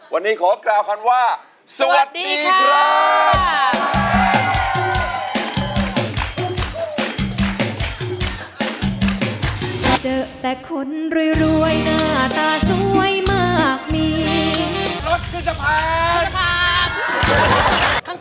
วันนี้ขอกล่าวคำว่าสวัสดีครับ